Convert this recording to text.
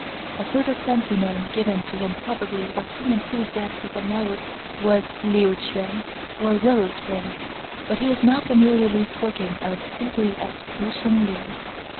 A further fancy name, given to him probably by some enthusiastic admirer, was Liu ch'iian, or " Willow Spring; " but he is now familiarly spoken of simply as P'u Sung ling.